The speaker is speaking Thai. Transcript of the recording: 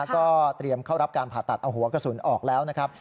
ก็เตรียมเข้ารับการผ่าตัดเอาหัวกระสุนออกแล้วนะครับ